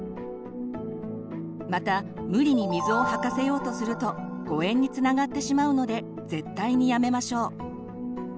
また無理に水を吐かせようとすると誤えんにつながってしまうので絶対にやめましょう。